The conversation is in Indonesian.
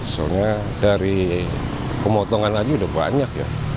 soalnya dari pemotongan aja udah banyak ya